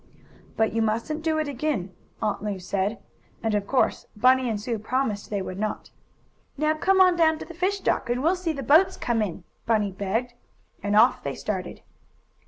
"But you musn't do it again," Aunt Lu said, and of course Bunny and Sue promised they would not. "Now come on down to the fish dock, and we'll see the boats come in," Bunny begged, and off they started.